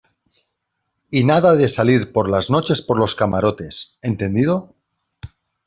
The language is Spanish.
y nada de salir por las noches por los camarotes, ¿ entendido?